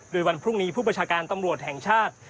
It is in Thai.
โดยวันพรุ่งนี้ผู้ประชาการตำรวจแห่งชาติ